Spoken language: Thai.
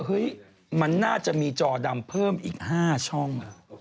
เฮ้ยมันน่าจะมีจอดำเพิ่มอีก๕ช่อง